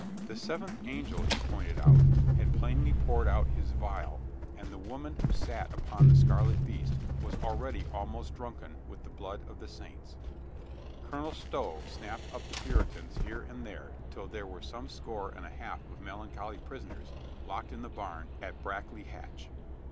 The seventh an gel, he pointed out, had plainly poured out his vial and the woman which sat upon the scarlet beast COLONEL STOW IS SHOWN HIS DUTY 295 was already almost drunken with the blood of the saints. Colonel Stow snapped up the Puritans here and there till there were some score and a half of melancholy prisoners locked in the barn at Brack ley Hatch.